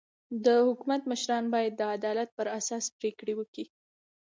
د حکومت مشران باید د عدالت پر اساس پرېکړي وکي.